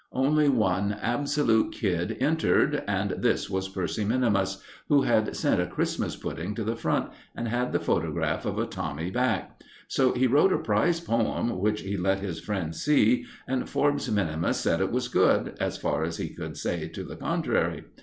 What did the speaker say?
Only one absolute kid entered, and this was Percy minimus, who had sent a Christmas pudding to the Front, and had the photograph of a "Tommy" back. So he wrote a prize poem which he let his friends see, and Forbes minimus said it was good, as far as he could say to the contrary.